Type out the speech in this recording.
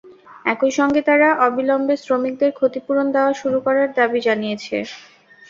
একই সঙ্গে তারা অবিলম্বে শ্রমিকদের ক্ষতিপূরণ দেওয়া শুরু করার দাবি জানিয়েছে।